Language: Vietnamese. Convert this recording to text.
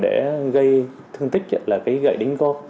để gây thương tích là cái gậy đính góp